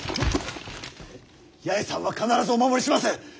八重さんは必ずお守りします。